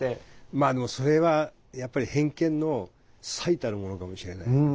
まあそれはやっぱり偏見の最たるものかもしれないですね。